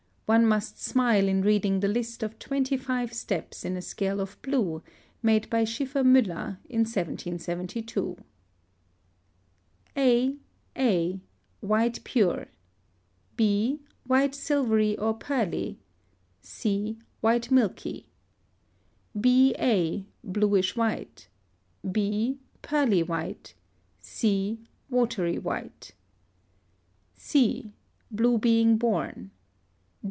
One must smile in reading the list of 25 steps in a scale of blue, made by Schiffer Muller in 1772: A. a. White pure. b. White silvery or pearly. c. White milky. B. a. Bluish white. b. Pearly white. c. Watery white. C. Blue being born.